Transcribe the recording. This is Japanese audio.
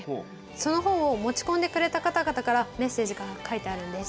その本を持ち込んでくれた方々からメッセージが書いてあるんです。